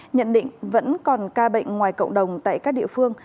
nhận định vẫn còn ca bệnh ngoài cộng đồng tại các địa phương